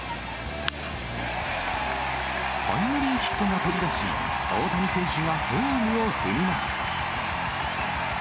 タイムリーヒットが飛び出し、大谷選手がホームを踏みます。